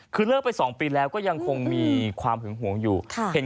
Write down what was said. คือเลิกไป๒ปีแล้วก็ยังคงมีความหึงหวงอยู่